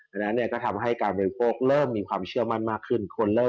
อันนั้นก็ทำให้การบริโภคเริ่มมีความเชื่อมั่นมากขึ้น